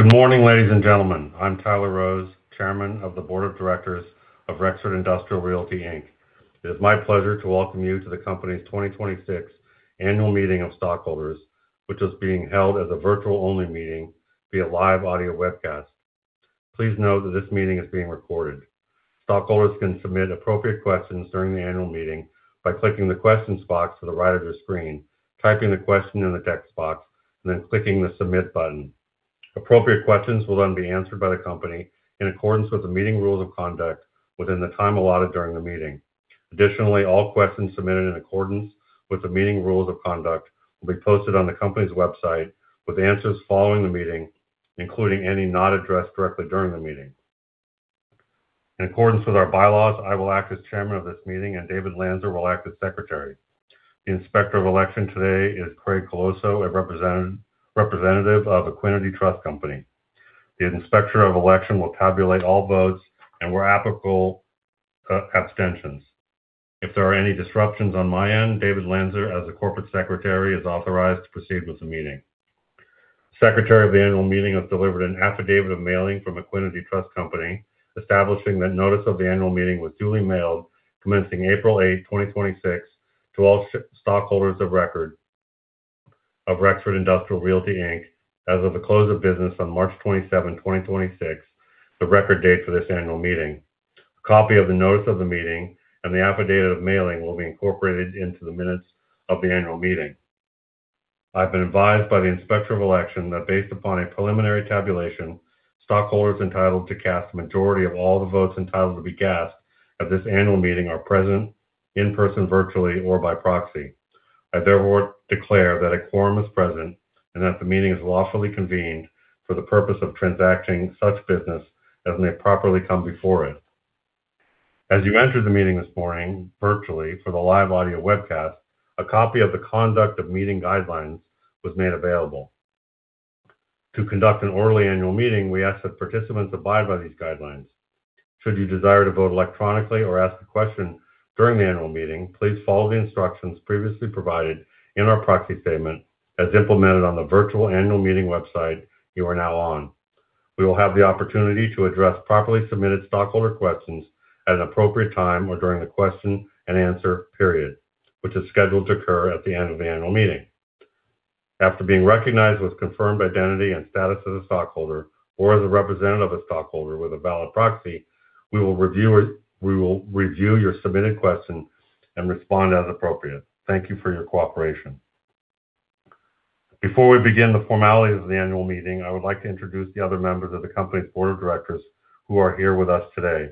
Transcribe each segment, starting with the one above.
Good morning, ladies and gentlemen. I'm Tyler Rose, Chairman of the Board of Directors of Rexford Industrial Realty, Inc. It is my pleasure to welcome you to the company's 2026 Annual Meeting of Stockholders, which is being held as a virtual-only meeting via live audio webcast. Please note that this meeting is being recorded. Stockholders can submit appropriate questions during the annual meeting by clicking the Questions box to the right of the screen, typing the question in the text box, and then clicking the Submit button. Appropriate questions will then be answered by the company in accordance with the meeting rules of conduct within the time allotted during the meeting. Additionally, all questions submitted in accordance with the meeting rules of conduct will be posted on the company's website with the answers following the meeting, including any not addressed directly during the meeting. In accordance with our bylaws, I will act as Chairman of this meeting, and David Lanzer will act as Secretary. The Inspector of Election today is Craig Colosso, a representative of Equiniti Trust Company. The Inspector of Election will tabulate all votes and, where applicable, abstentions. If there are any disruptions on my end, David Lanzer, as the Corporate Secretary, is authorized to proceed with the meeting. The Secretary of the Annual Meeting has delivered an affidavit of mailing from Equiniti Trust Company establishing that notice of the annual meeting was duly mailed commencing April 8th, 2026, to all stockholders of record of Rexford Industrial Realty, Inc. as of the close of business on March 27th, 2026, the record date for this annual meeting. A copy of the notice of the meeting and the affidavit of mailing will be incorporated into the minutes of the annual meeting. I've been advised by the Inspector of Election that based upon a preliminary tabulation, stockholders entitled to cast a majority of all the votes entitled to be cast at this annual meeting are present in person, virtually, or by proxy. I therefore declare that a quorum is present and that the meeting is lawfully convened for the purpose of transacting such business as may properly come before it. As you entered the meeting this morning virtually for the live audio webcast, a copy of the conduct of meeting guidelines was made available. To conduct an orderly annual meeting, we ask that participants abide by these guidelines. Should you desire to vote electronically or ask a question during the annual meeting, please follow the instructions previously provided in our proxy statement as implemented on the virtual annual meeting website you are now on. We will have the opportunity to address properly submitted stockholder questions at an appropriate time or during the question-and-answer period, which is scheduled to occur at the end of the annual meeting. After being recognized with confirmed identity and status as a stockholder or as a representative of a stockholder with a valid proxy, we will review your submitted question and respond as appropriate. Thank you for your cooperation. Before we begin the formalities of the annual meeting, I would like to introduce the other members of the company's board of directors who are here with us today.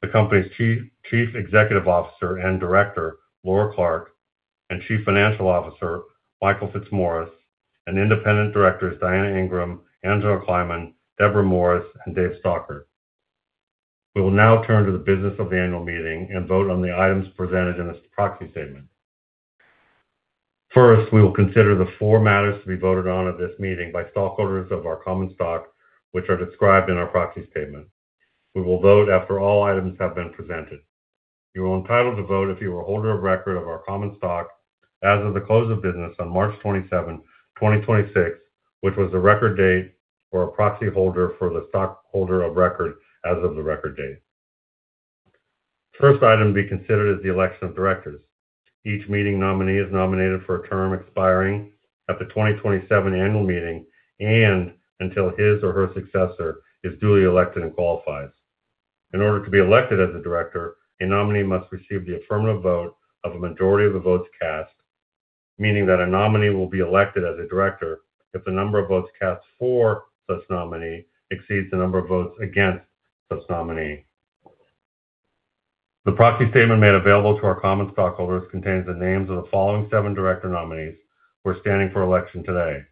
The company's Chief Executive Officer and Director, Laura Clark, and Chief Financial Officer, Michael Fitzmaurice, and Independent Directors Diana Ingram, Angela Kleiman, Debra Morris, and David Stockert. We will now turn to the business of the annual meeting and vote on the items presented in this proxy statement. First, we will consider the four matters to be voted on at this meeting by stockholders of our common stock, which are described in our proxy statement. We will vote after all items have been presented. You are entitled to vote if you are a holder of record of our common stock as of the close of business on March 27, 2026, which was the record date for a proxy holder for the stockholder of record as of the record date. The first item to be considered is the election of directors. Each meeting nominee is nominated for a term expiring at the 2027 annual meeting and until his or her successor is duly elected and qualifies. In order to be elected as a director, a nominee must receive the affirmative vote of a majority of the votes cast, meaning that a nominee will be elected as a director if the number of votes cast for such nominee exceeds the number of votes against such nominee. The proxy statement made available to our common stockholders contains the names of the following 7 director nominees who are standing for election today: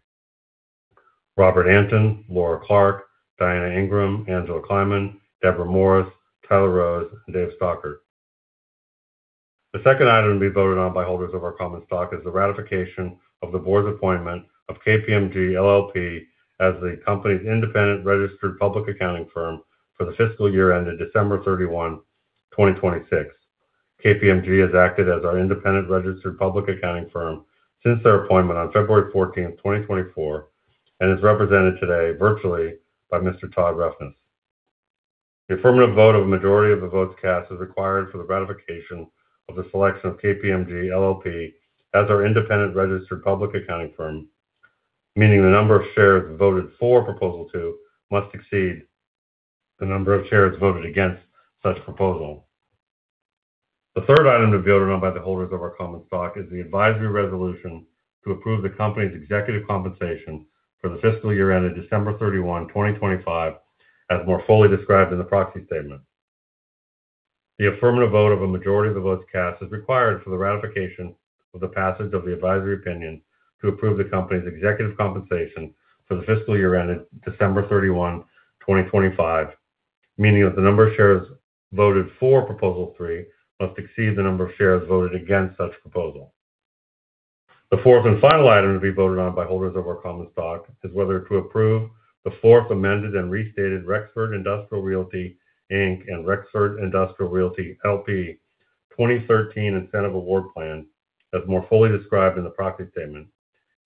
Robert Antin, Laura Clark, Diana Ingram, Angela Kleiman, Debra Morris, Tyler Rose, and Dave Stockert. The second item to be voted on by holders of our common stock is the ratification of the board's appointment of KPMG LLP as the company's independent registered public accounting firm for the fiscal year ended December 31, 2026. KPMG has acted as our independent registered public accounting firm since their appointment on February 14th, 2024, and is represented today virtually by Mr. Todd Ruffins. The affirmative vote of a majority of the votes cast is required for the ratification of the selection of KPMG LLP as our independent registered public accounting firm, meaning the number of shares voted for proposal 2 must exceed the number of shares voted against such proposal. The third item to be voted on by the holders of our common stock is the advisory resolution to approve the company's executive compensation for the fiscal year ended December 31, 2025, as more fully described in the proxy statement. The affirmative vote of a majority of the votes cast is required for the ratification of the passage of the advisory opinion to approve the company's executive compensation for the fiscal year ended December 31, 2025, meaning that the number of shares voted for proposal 3 must exceed the number of shares voted against such proposal. The fourth and final item to be voted on by holders of our common stock is whether to approve the Fourth Amended and Restated Rexford Industrial Realty, Inc. Rexford Industrial Realty, L.P. 2013 Incentive Award Plan, as more fully described in the proxy statement,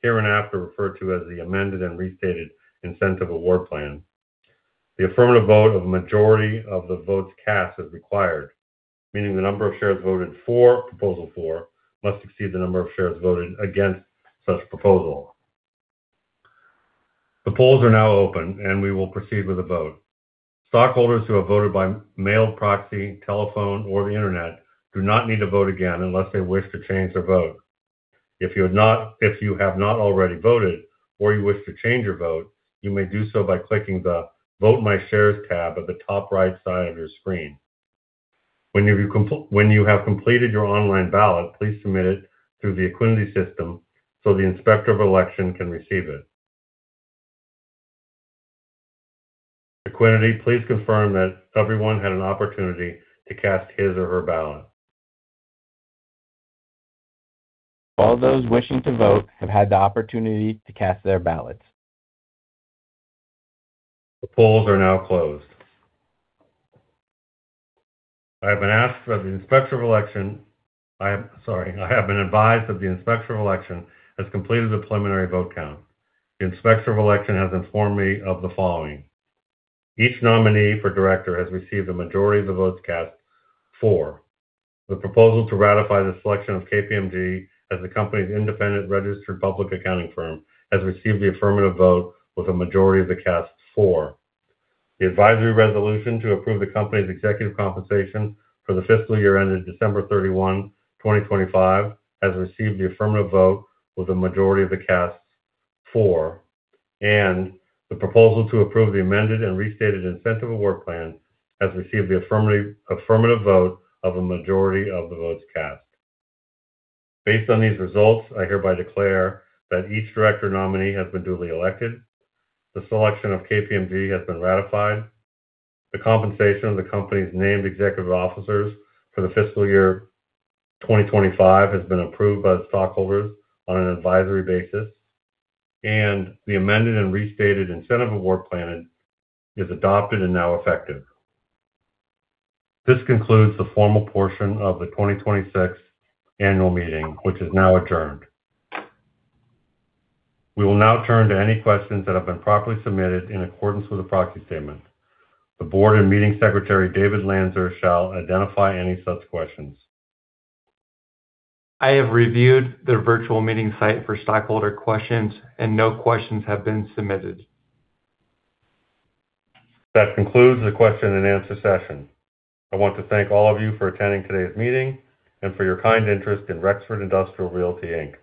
hereinafter referred to as the Amended and Restated Incentive Award Plan. The affirmative vote of a majority of the votes cast is required, meaning the number of shares voted for proposal 4 must exceed the number of shares voted against such proposal. The polls are now open, we will proceed with the vote. Stockholders who have voted by mail, proxy, telephone, or the Internet do not need to vote again unless they wish to change their vote. If you have not already voted or you wish to change your vote, you may do so by clicking the Vote My Shares tab at the top right side of your screen. When you have completed your online ballot, please submit it through the Equiniti system so the Inspector of Election can receive it. Equiniti, please confirm that everyone had an opportunity to cast his or her ballot. All those wishing to vote have had the opportunity to cast their ballots. The polls are now closed. I have been advised that the Inspector of Election has completed the preliminary vote count. The Inspector of Election has informed me of the following. Each nominee for director has received a majority of the votes cast, 4. The proposal to ratify the selection of KPMG as the company's independent registered public accounting firm has received the affirmative vote with a majority of the cast, 4. The advisory resolution to approve the company's executive compensation for the fiscal year ended December 31, 2025, has received the affirmative vote with a majority of the cast, 4. The proposal to approve the amended and restated incentive award plan has received the affirmative vote of a majority of the votes cast. Based on these results, I hereby declare that each director nominee has been duly elected. The selection of KPMG has been ratified. The compensation of the company's named executive officers for the fiscal year 2025 has been approved by the stockholders on an advisory basis, and the amended and restated Incentive Award Plan is adopted and now effective. This concludes the formal portion of the 2026 annual meeting, which is now adjourned. We will now turn to any questions that have been properly submitted in accordance with the proxy statement. The board and meeting secretary, David Lanzer, shall identify any such questions. I have reviewed the virtual meeting site for stockholder questions, and no questions have been submitted. That concludes the question and answer session. I want to thank all of you for attending today's meeting and for your kind interest in Rexford Industrial Realty, Inc.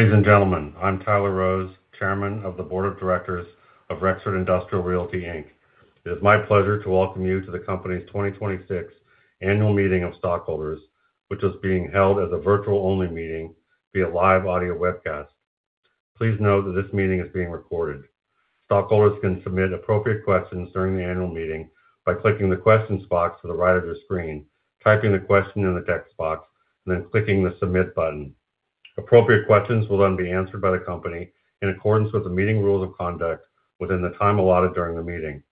Good morning, ladies and gentlemen. I'm Tyler Rose, Chairman of the Board of Directors of Rexford Industrial Realty, Inc. It is my pleasure to welcome you to the company's 2026 annual meeting of stockholders, which is being held as a virtual-only meeting via live audio webcast. Please note that this meeting is being recorded. Stockholders can submit appropriate questions during the annual meeting by clicking the questions box to the right of your screen, typing the question in the text box, and then clicking the Submit button. Appropriate questions will then be answered by the company in accordance with the meeting rules of conduct within the time allotted during the meeting.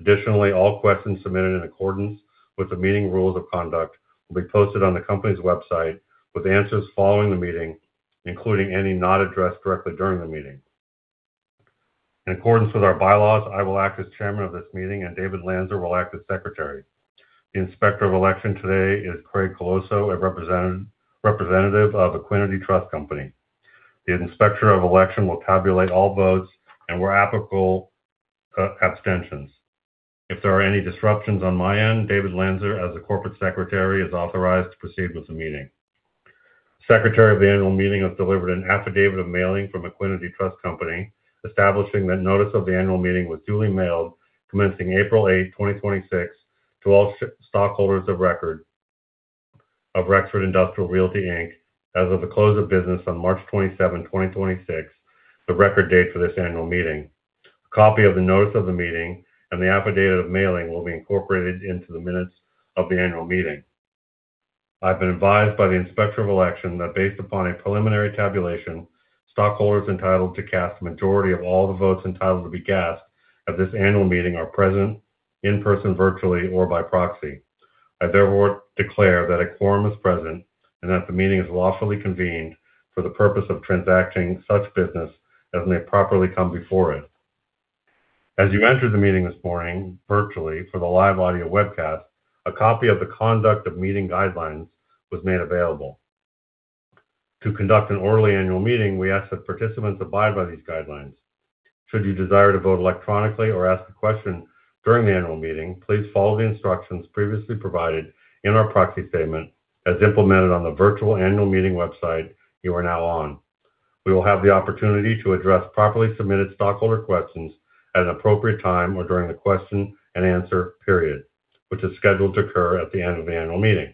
Additionally, all questions submitted in accordance with the meeting rules of conduct will be posted on the company's website with answers following the meeting, including any not addressed directly during the meeting. In accordance with our bylaws, I will act as chairman of this meeting, and David Lanzer will act as secretary. The inspector of election today is Craig Colosso, a representative of Equiniti Trust Company. The inspector of election will tabulate all votes and where applicable, abstentions. If there are any disruptions on my end, David Lanzer, as the Corporate Secretary, is authorized to proceed with the meeting. Secretary of the annual meeting has delivered an affidavit of mailing from Equiniti Trust Company, establishing that notice of the annual meeting was duly mailed commencing April 8, 2026, to all stockholders of record of Rexford Industrial Realty, Inc. as of the close of business on March 27, 2026, the record date for this annual meeting. A copy of the notice of the meeting and the affidavit of mailing will be incorporated into the minutes of the annual meeting. I've been advised by the inspector of election that based upon a preliminary tabulation, stockholders entitled to cast a majority of all the votes entitled to be cast at this annual meeting are present in person, virtually, or by proxy. I therefore declare that a quorum is present and that the meeting is lawfully convened for the purpose of transacting such business as may properly come before it. As you entered the meeting this morning virtually for the live audio webcast, a copy of the conduct of meeting guidelines was made available. To conduct an orderly annual meeting, we ask that participants abide by these guidelines. Should you desire to vote electronically or ask a question during the annual meeting, please follow the instructions previously provided in our proxy statement as implemented on the virtual annual meeting website you are now on. We will have the opportunity to address properly submitted stockholder questions at an appropriate time or during the question and answer period, which is scheduled to occur at the end of the annual meeting.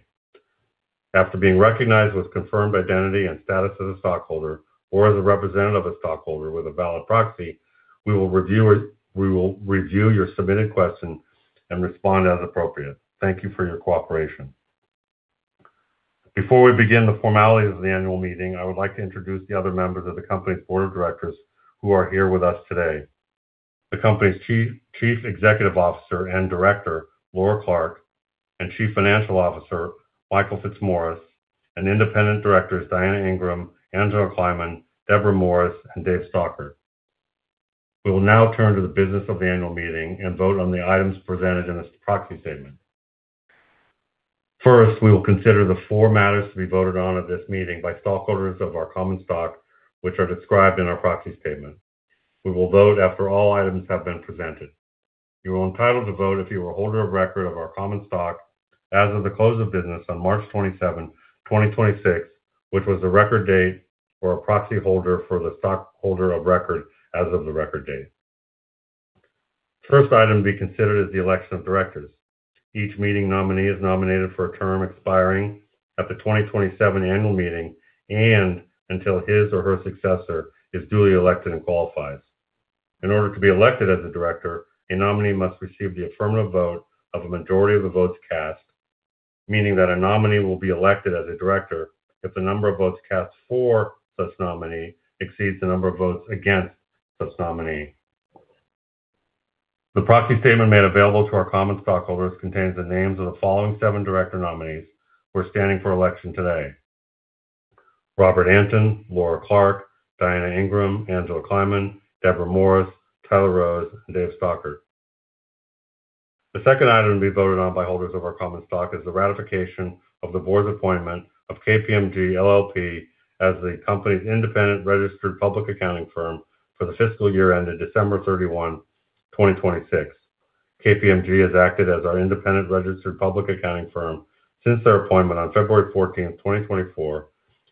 After being recognized with confirmed identity and status as a stockholder or as a representative of a stockholder with a valid proxy, we will review your submitted question and respond as appropriate. Thank you for your cooperation. Before we begin the formalities of the annual meeting, I would like to introduce the other members of the company's board of directors who are here with us today. The company's Chief Executive Officer and Director, Laura Clark, and Chief Financial Officer, Michael Fitzmaurice, and independent Directors Diana Ingram, Angela Kleiman, Debra Morris, and David Stockert. We will now turn to the business of the annual meeting and vote on the items presented in this proxy statement. First, we will consider the four matters to be voted on at this meeting by stockholders of our common stock, which are described in our proxy statement. We will vote after all items have been presented. You are entitled to vote if you are a holder of record of our common stock as of the close of business on March 27, 2026, which was the record date for a proxy holder for the stockholder of record as of the record date. First item to be considered is the election of directors. Each meeting nominee is nominated for a term expiring at the 2027 annual meeting and until his or her successor is duly elected and qualifies. In order to be elected as a director, a nominee must receive the affirmative vote of a majority of the votes cast, meaning that a nominee will be elected as a director if the number of votes cast for such nominee exceeds the number of votes against such nominee. The proxy statement made available to our common stockholders contains the names of the following 7 director nominees who are standing for election today. Robert Antin, Laura Clark, Diana Ingram, Angela Kleiman, Debra Morris, Tyler Rose, and David Stockert. The second item to be voted on by holders of our common stock is the ratification of the board's appointment of KPMG LLP as the company's independent registered public accounting firm for the fiscal year ended December 31, 2026. KPMG has acted as our independent registered public accounting firm since their appointment on February 14th, 2024,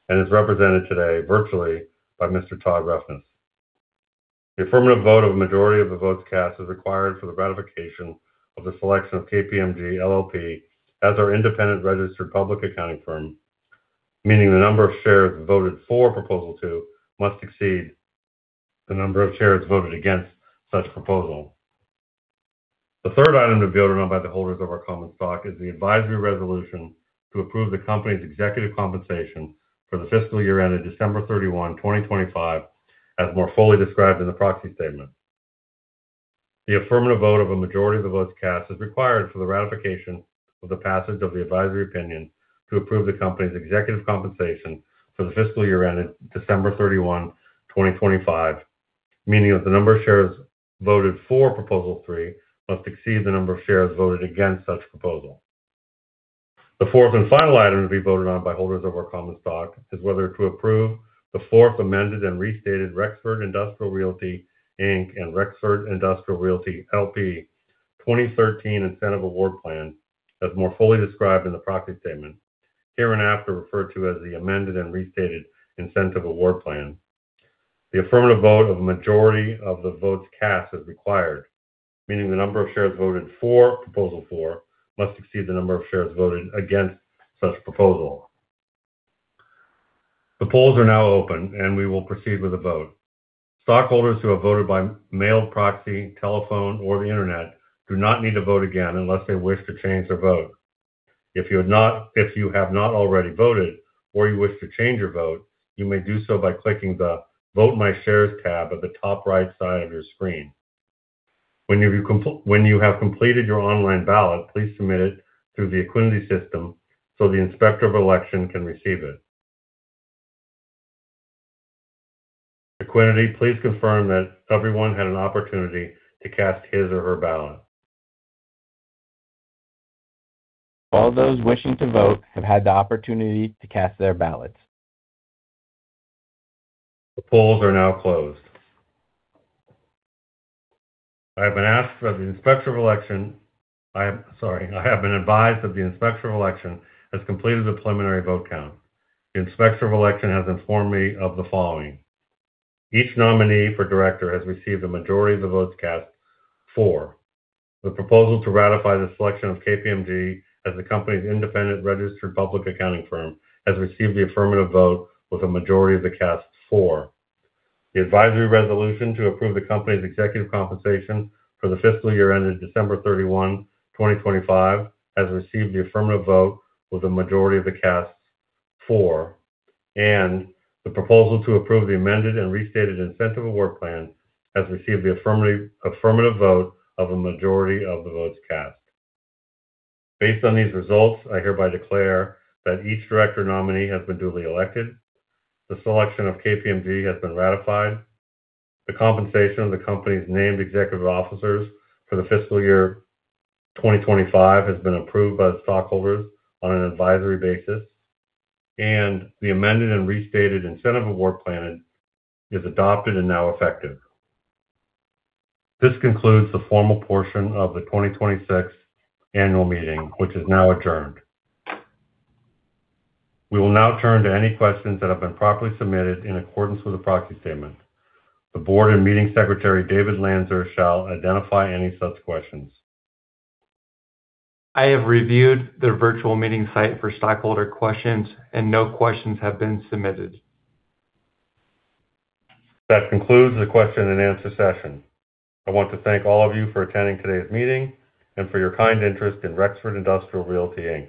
and is represented today virtually by Mr. Todd Ruffins. The affirmative vote of a majority of the votes cast is required for the ratification of the selection of KPMG LLP as our independent registered public accounting firm, meaning the number of shares voted for proposal 2 must exceed the number of shares voted against such proposal. The third item to be voted on by the holders of our common stock is the advisory resolution to approve the company's executive compensation for the fiscal year ended December 31, 2025, as more fully described in the proxy statement. The affirmative vote of a majority of the votes cast is required for the ratification of the passage of the advisory opinion to approve the company's executive compensation for the fiscal year ended December 31, 2025. Meaning that the number of shares voted for proposal three must exceed the number of shares voted against such proposal. The fourth and final item to be voted on by holders of our common stock is whether to approve the Fourth Amended and Restated Rexford Industrial Realty, Inc. Rexford Industrial Realty, L.P. 2013 Incentive Award Plan, as more fully described in the proxy statement, hereinafter referred to as the Amended and Restated Incentive Award Plan. The affirmative vote of a majority of the votes cast is required, meaning the number of shares voted for proposal 4 must exceed the number of shares voted against such proposal. The polls are now open. We will proceed with the vote. Stockholders who have voted by mail, proxy, telephone, or the internet do not need to vote again unless they wish to change their vote. If you have not already voted or you wish to change your vote, you may do so by clicking the Vote My Shares tab at the top right side of your screen. When you have completed your online ballot, please submit it through the Equiniti system so the Inspector of Election can receive it. Equiniti, please confirm that everyone had an opportunity to cast his or her ballot. All those wishing to vote have had the opportunity to cast their ballots. The polls are now closed. I have been asked by the Inspector of Election. I have been advised that the Inspector of Election has completed the preliminary vote count. The Inspector of Election has informed me of the following: Each nominee for director has received a majority of the votes cast for. The proposal to ratify the selection of KPMG as the company's independent registered public accounting firm has received the affirmative vote with a majority of the cast for. The advisory resolution to approve the company's executive compensation for the fiscal year ended December 31, 2025, has received the affirmative vote with a majority of the cast for. The proposal to approve the Amended and Restated Incentive Award Plan has received the affirmity, affirmative vote of a majority of the votes cast. Based on these results, I hereby declare that each director nominee has been duly elected. The selection of KPMG has been ratified. The compensation of the company's named executive officers for the fiscal year 2025 has been approved by the stockholders on an advisory basis. The Amended and Restated Incentive Award Plan is adopted and now effective. This concludes the formal portion of the 2026 annual meeting, which is now adjourned. We will now turn to any questions that have been properly submitted in accordance with the proxy statement. The board and Meeting Secretary, David Lanzer, shall identify any such questions. I have reviewed the virtual meeting site for stockholder questions, and no questions have been submitted. That concludes the question and answer session. I want to thank all of you for attending today's meeting and for your kind interest in Rexford Industrial Realty, Inc.